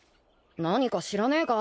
何か知らねえか？